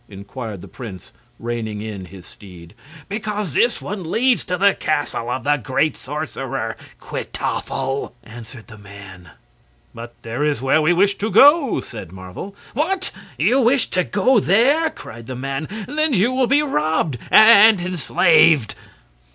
inquired the prince, reining in his steed. "Because this one leads to the castle of the great sorcerer, Kwytoffle," answered the man. "But there is where we wish to go," said Marvel. "What! You wish to go there?" cried the man. "Then you will be robbed and enslaved!"